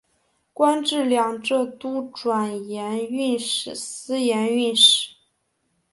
官至两浙都转盐运使司盐运使。